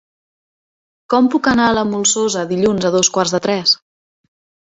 Com puc anar a la Molsosa dilluns a dos quarts de tres?